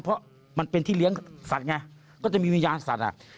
เพราะมันเป็นที่เลี้ยงสัตว์ไงก็จะมีวิญญาณสัตว์อ่ะ